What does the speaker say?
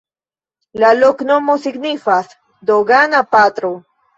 La loknomo signifas: dogana-patro.